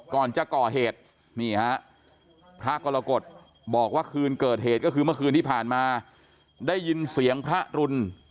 ก่อนจะก่อเหตุนี่ฮะพระกรกฎบอกว่าคืนเกิดเหตุก็คือเมื่อคืนที่ผ่านมาได้ยินเสียงพระรุน